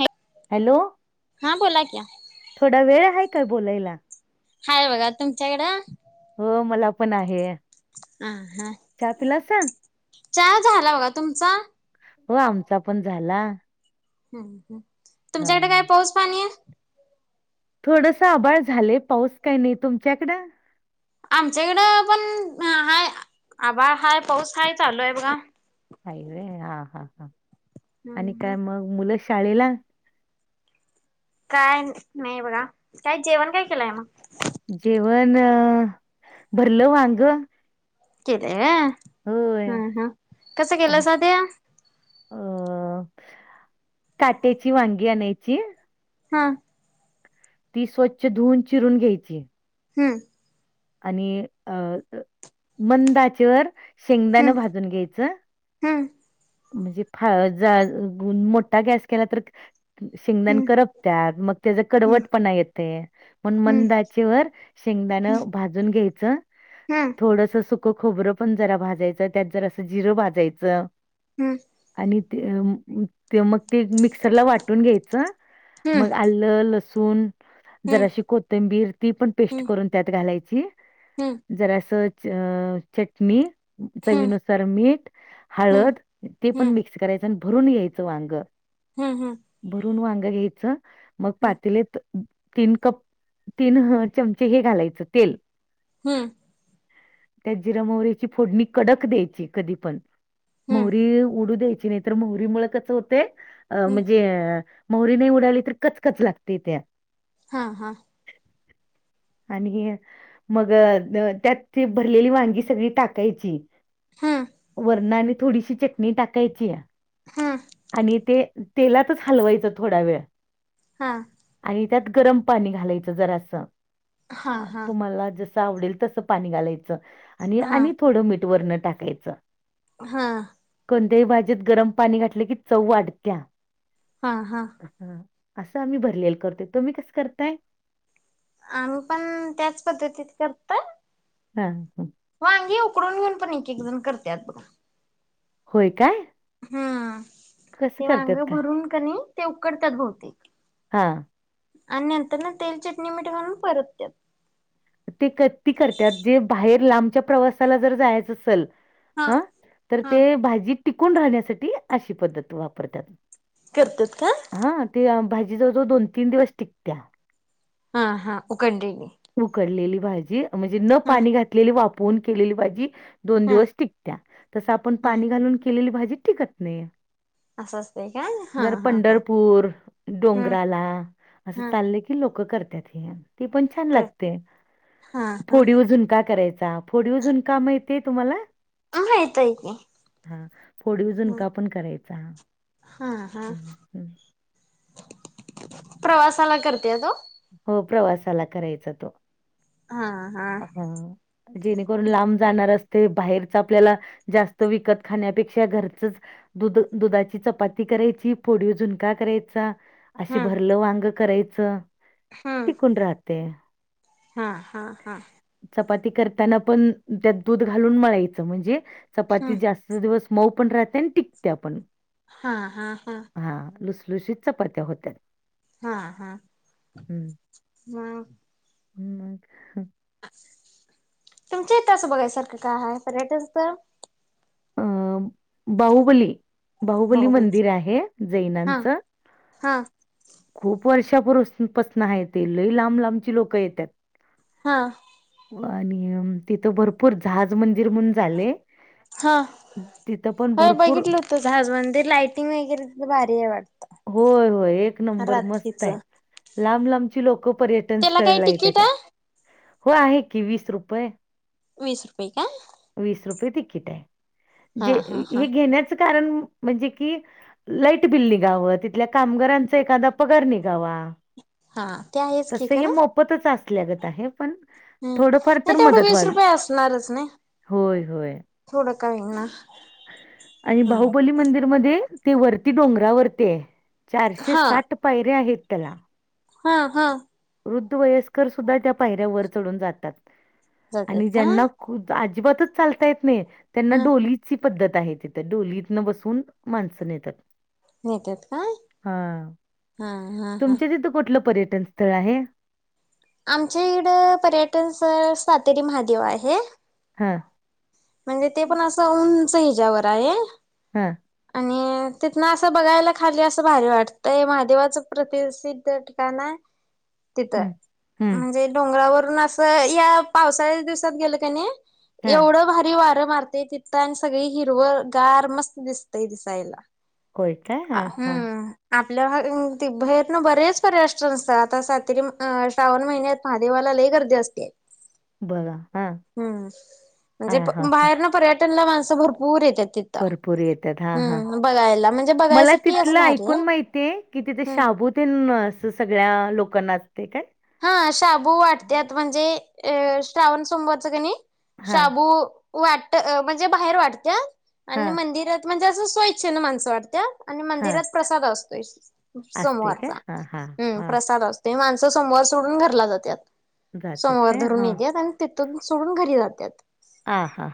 Hello. Hello थोडा वेळ हाय का बोलायला. हाय बघा तुमच्याकड. हो मला पण आहे. आ हा चहा पिलासा चहा झाला बघा तुमचा. हो आमचा पण झाला. हम हम हा तुमच्याकडे काय पाऊस पाणी. थोडंसं आभाळ झालेय. पाऊस काय नाही तुमच्याकड. आमच्याकडं पण हाय आभाळ हाय, पाऊस हाय चालू आहे बघा. हाय व्हय हा हा हा आणि हम् काय मग मुलं शाळेला. काय नाही बघा, काय जेवण काय केलंय मग. जेवण भरलं वांग. केलेय व्हयं, होय हम हम कसं केलासा ते. अ काट्याची वांगी आणायची. हा. ती स्वच्छ धुवून चिरून घ्यायची. हम्म. आणि अ मंदचेवर शेंगदाण हम्म भाजून घ्यायचं. हम्म म्हणजे मोठा गॅस केला तर. शेंगदाण हम्म करपत्यात मग, त्यांच कडवट पणा येते. म्हणून हम्म मंद आचेवर शेंगदाण भाजून घ्यायचं. हा. थोडस सुकं खोबरं पण जरा भाजायचं, त्यात जरा असं जिरं भाजायचं, हम्म. आणि ते ते मग ते मिक्सरला वाटून घ्यायचं. मग हम्म आलं, लसूण जराशी कोथिंबीर ती पण पेस्ट हम्म करून त्यात घालायची. हम्म. जरा असं च अ -चटणी हम्म चवीनुस तर मीट हम्म हळद ते पण हम्म मिक्स करायचं आणि भरून घ्यायचं वांग. हम् हम्. भरून वांग घ्यायचं मग पातळीत तीन कप तीन हं चमचे हे घालायचं तेल. हम्म. त्या जिरे मोहरीची फोडणी कडक द्यायची कधी पण. हम्म मोहरी उडू द्यायची नाही तर मोहरी मुळं कस होतेय अ हम्म म्हणजे मोहरी नाही उडाली तर कचकच लागते त्या. हां हां. आणि हे मग त्यात ते भरलेली वांगी सगळी टाकायची. हम्म. वरणानं थोडीशी चटणी टाकायची. हम्म. आणि ते तेलातच हलवायचं थोडा वेळ. हा. आणि त्यात गरम पाणी घालायचं जरा असं हा हा तुम्हाला जसं आवडेल तसं पाणी घालायचं आणि हा आणि थोडं मीट वरना टाकायचं. हा. कोणत्याहीभाजीत गरम पाणी घातले की चव वाढत्या. हा हा. असं आम्ही भरलेलं करतो तुम्ही कसं करताय. आम्ही पण त्याच पद्धतीत करतोय. हा हा. वांगे उकडून घेऊन पण एक एक जण करत्यात. होय काय? हा कसं ते वांग करतात भरून का नाही ते उकडत्यात बहुतेक‌. हां. आणि नंतर ना तेल चटणी मीठ घालून परत त्यात. ते कती करतात जे बाहेर लांबच्या प्रवासाला जर जायचं असल. हा तर ते हा भाजी टिकून राहण्यासाठी अशी पद्धत वापरतात. करतात का? हा ते भाजी जवळजवळ दोन-तीन दिवस टिकत्या. हा हा‌ उकडलेले. उकडलेली भाजी म्हणजे न पाणी घातलेले वाप्वुन केलेली भाजी. दोन हा दिवस टिकत्या तस आपण हा पाणी घालून केलेली भाजी टिकत नाही. असं असतंय काय हा जर हा हा पंढरपूर हा डोंगराला असं हा चाललं की की लोक करतात हे ती पण छान कर लागते. हा हा. फोडीव झुणका करायचा. फोडीव झुणका माहितय तुम्हाला. माहित आहे की हा फोडीव झुणका पण करायचा. हा हा हं, हं. प्रवासाला करतेत ओ. हो प्रवासाला करायचा तो. हा हा. हां. जेणेकरून लांब जाणार असते. बाहेरच आपल्याला जास्त विकत खाण्यापेक्षा घरचचं. दुध दुधाची चपाती करायची, फोडीव झुणका करायचा. असे भरलं वांग करायचं. हां. कोण राहते. हा हा हा. चपाती करताना पण त्यात, दूध घालून मळायचं म्हणजे चपाती हम्म जास्तं. लय दिवस मऊ पण राहते आणि टिकत्या पण. हा हा हा. हा लुसलुशीत चपात्या होत्यात. हा हा. हम मग मग. तुमच्या इथ असं बघायसारखं काय आहे. पर्यटन स्थळ अ बाहुबली. बाहुबली मंदिर आहे हा जैनाच. हा खूप वर्षापूर्वी पसन आहे ते लई लांब लांबची लोकं येत्यात. हा. आणि तिथं भरपूर जहाज मंदिर म्हणून झाले. हा तिथं पण हो भरपूर बघितलं होत झाज मंदिर लायटिंग वगैरे भारी आहे वाटतं. होय होय एक नंबर रात्रीच. मस्त आय. लांब लांबची लोकं पर्यटन त्याला काय स्थळला तिकीट येत्याता. हाय? हो आहे की वीस रुपये. वीस रुपये का. वीस रुपये तिकीट आय. हा जे हा हा हे घेण्याचं. कारण म्हणजे की लाईट बील लि इथल्या कामगाराचा एखादा पगार निघावा. हा ते आहेच की तस हे मोफ पतच असल्यागत आहे. पण हम थोडंफार नाही तर तेवढं मदत वीस व्हावी रुपये असणारच नी, होय होय. थोडं का होईना. आणि हम्म. बाहुबली मंदिरमध्ये ती वरती डोंगरावरती हाय. चारशे हा साठ पायऱ्या आहेत त्याला. हा हा. वृद्ध वयस्कर सुद्धा त्या पायऱ्या वर चढून जातात. जातात आणि काय ज्यांना, अजिबातच चालता येत नाही त्यांना हा डोलीत. ची पद्धत आहे. तिथं डोलीतन बसून माणसं न्हेतात. नेत्यात काय हा हा हा. तुमच्या तिथं कुठलं पर्यटन स्थळ आहे. आमच्या इकडं पर्यटन स्थळ सातेरी महादेव आहे. ह. म्हणजे ते पण असं उंच हिच्यावर आहे? हंम. मग तिथन असं बघायला खाली असं भारी वाटतंय महादेवाचं प्रतिसिद्ध ठिकाण हाय. [inaudible] तिथं हम्म म्हणजे डोंगरावरून असं या पावसाळ्या दिवसात गेलं का नाही. हा एवढं भारी वारं मारते तिथं आणि सगळी हिरव गार मस्त दिसतय दिसायला. होय काय अ हा हा हम्म. आपल्या तितन बरेच पर्यटन नसतात आता सातेरी श्रावण महिन्यात. हा देवाला लय हे गर्दी असते. [inaudible] हा हम्म हा म्हणजे हा हा. बाहेर ना पर्यट त्यांना माणसं भरपूर येते तिथं. भरपूर येतात हा हा हम्म बघायला म्हणजे मला बघायसाठी असं तिथलं भारी ऐकून आहे माहिती आहे की तिथे हम्म शाबूत सगळ्या लोकं नाचते काय? हा शाबू वाटत्यात म्हणजे अ श्रावण सोमवच कणी हां, शाबू वाटत म्हणजे बाहेर वाटत्या आणि हां, मंदिरात म्हणजे असं स्व इच्छेन माणसं वाटत्या. आणि हां. मंदिरात प्रसाद असतोय असते काय? सोमवारचा हां, हां, हम्म हां. प्रसाद असतो. ते माणसं सोमवार सोडून घरला जात्यात जातात सोमवार काय? धरून हां. येत्यात आणि तिथून सोडून घरी जात्यात. हा हा.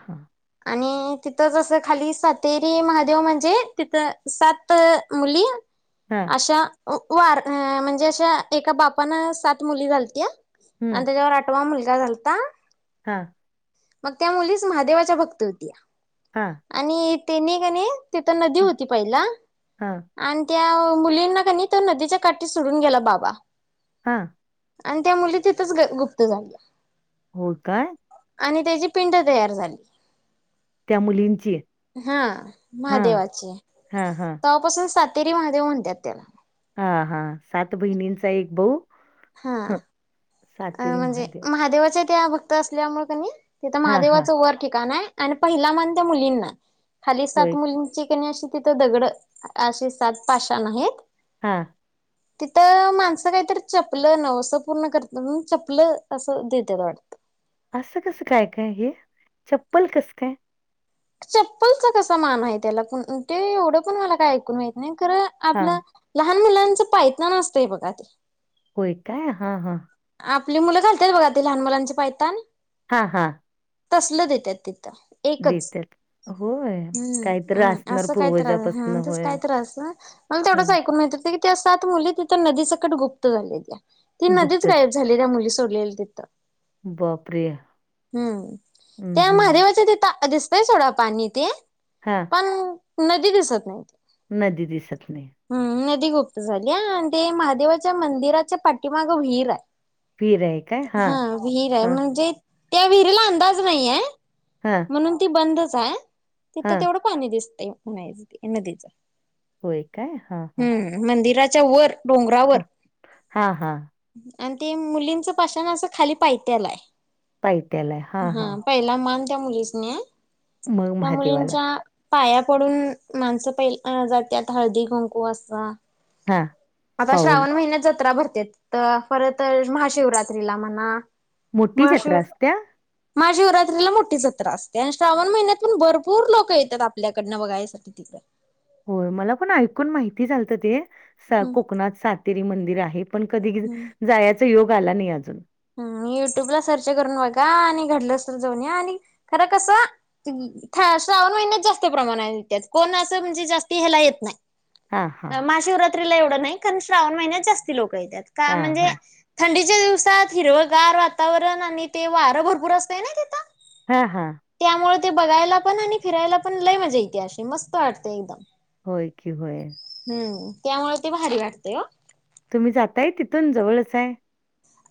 आणि तिथंच जसं खाली सातेरी महादेव म्हणजे तिथं सात त मुली. हा. अशा वार म्हणजे अशा एका बापान सात मुली झालत्या. आणि हं. त्याच्यावर आठवा मुलगा झालता. हा. मग त्या मुलीच महादेवाच्या भक्त होत्या. हा. आणि तेने का नाही तिथ नदी हं, होती पहिला. हां, आणि त्या मुलींना का नाही तो नदीच्या काठी सोडून गेला बाबा. हा. आणि त्या मुली तिथंच ग- गुप्त झाल्या. हो काय. आणि त्याची पिंड तयार झाली. त्या मुलींची? हा महादेवाची. हा हा. तव्हा पासून सातेरी महादेव म्हणत्यात त्याला. हा हा सात बहिणींचा एक भाऊ हा. हं. अ सातेरी म्हणजे महादेव. महादेवाच्या त्या भक्त असल्यामुळे कणी तिथं हां, हां. महादेवाचं वर ठिकाण आहे. आणि पहिला मान त्या मुलींना खाली सात होय. मुलींची कनं अशी तिथं दगड असे सात पाशण आहेत. हां. तिथं माणसं काहीतरी चपलं नवस पूर्ण कर न चपल असं देते वाटतं. असं कसं काय काय हे, चप्पल कसं काय. चप्पलचा कसा मान आहे. त्याला ते एवढं पण मला काय ऐकून माहित नाही खरं हां. आपलं. लहान मुलांचं पायताण असतंय बघा ते. होय काय हा हा. आपली मुलं घालत्यात बघा. ते लहान मुलांचे पायतान. हा हा. तसल देत्यात तिथं. एकच देत्यात. होय. हम काहीतरी हम असणार असं काय तर असणार पूर्वजापासनं हां तेच होय. काय तर असणार. मला तेवढच हं. ऐकून माहित की त्या सात मुली तिथं नदी सकट गुप्त झालेत्या. गुप्तच. झालेल्या मुली सोडलेल तिथं. बापरे! हम्म हं, त्या हं. महादेवाच्या तिथं दिस पितोय सोडा पाणी ते. हा. पण नदी दिसत नाही. नदी दिसत नाही. हम नदी गुप्त झालीया आणि, ते महादेवाच्या मंदिराच्या पाठीमाग विहीर हाय. पीर आहे. काय? हां, हा विहीर आहे. हां, म्हणजे त्या विहिरीला अंदाज नाही ये. हा. म्हणून ती बंदच आहे. तिथं तेवढं पाणी दिसत म्हनायच नदीचं. होय काय हा हा. हम्म मंदिराच्या वर डोंगरावर. हा हा. आणि ते मुलींच पाषण असं खाली पायत्याला हाय. पायथ्याला आहे. हां, हा हां. पहिला मान त्या मुलीनीसनी हाय‌ मग त्या महादेवाला. मुलींच्या. पाया पडून माणसं पहिल जात्यात. हळदी कुंकू असा. हां. आता पाऊण. श्रावण महिन्यात जत्रा भरत्या तिथं. परत महाशिवरात्रीला म्हणा मोठी महाशिव जत्रा असत्या? महाशिवरात्रीला मोठी जत्रा असत्या. आणि श्रावण महिन्यात पण भरपूर लोकं येत्यात आपल्याकडनं बघायस. [unintelligible] हो मला पण ऐकून माहिती झालतं, ते हम्म कोकणात सातेरी मंदिर आहेत. पण कधी जायचा योग आला नाही अजून. हम् युट्यूब ला सर्च करून बघा. आणि घडलंस तर जाऊन या आणि खरं कसं. श्रावण महिन्यात जास्त प्रमाणेत येण्यात. कोण असं म्हणजे जास्त हेला येत हां, हां. नाही. महाशिवरात्रीला येवढ नाही. खर‌ श्रावण महिन्यात जास्ती लोकं येत्यात का हां, म्हणजे, हां. थंडीच्या दिवसात हिरवगार वातावरण आणि ते वारं भरपूर असतय ना तिथं. हा हा. त्यामुळे ते बघायला पण आणि फिरायला. पण लय मज्या येते आशी मस्त वाटते एकदम. होय कि व्हयं. हम्म त्यामुळे ते भारी वाटतेय ओ. तुम्ही जाताय तिथून जवळच चाय.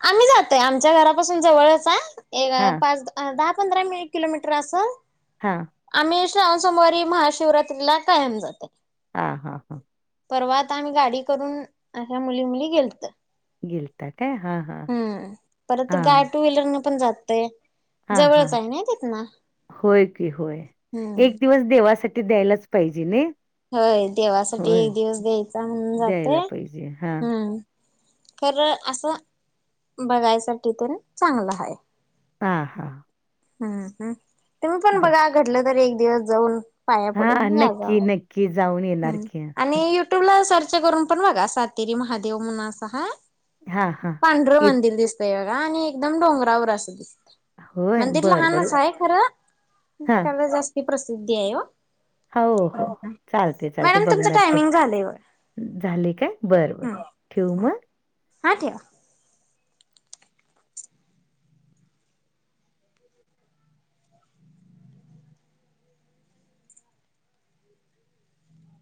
आम्ही जातोय. आमच्या घरापासून जवळच हाय एक हां, पाच दहा. दहा पंधरा मि किलोमीटर असं. हा. आम्ही श्रावण सोमवारी महाशिवरात्रीला कायम जातोय. हा हा हा. परवा आता आम्ही गाडी करून, अशा मुली मुली गेलतो. गिलता काय हा हा. हम्म परत गाय टू व्हीलर न पण जातंय. हा हा होय की होय हम्म एक दिवस देवासाठी द्यायलाच. पाहिजे नी. होय देवासाठी एक दिवस द्यायचा म्हणून जाते द्यायला पाहिजे. हां, हम्म खरं आस. बघायसाठी तर चांगलं आहे. हा हा. हम हम तुम्ही पण बघा. घडलं तर एक दिवस जाऊन पाया पडून या जावा. की जाऊन ये. हम आणि युट्यूब ला सर्च करून पण बघा. सातेरी महादेव म्हणून असं हाय. हां, हां. पांढर येत मंदिर दिसतय बघा. आणि एकदम डोंगरावर असं दिसतंय. होय, मंदिर बरं, लहानच बरं. आहे. खरं हां. त्याला जास्ती प्रसिद्धी आहे ओ. हो हो. चालते चालते मॅडम तुमचं बघणार की, टायमिंग झालंय बघा झाले काय बर बर ठेवू मग. हा ठेवा.